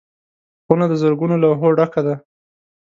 خونه د زرګونو لوحو ډکه ده.